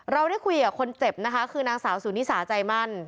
เราได้คุยกับคนเจ็บนะคะคือนางสาวสุนิสาใจมั่น